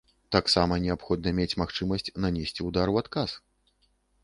Таксама неабходна мець магчымасць нанесці ўдар у адказ.